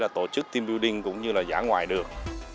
tổ chức team building cũng như là giá ngoài đường